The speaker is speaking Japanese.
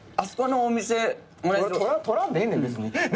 取らんでええねん別に。